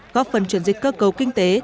góp phần chuyển dịch cơ cấu kinh tế